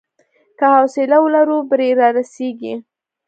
که حوصله ولرو، بری رارسېږي.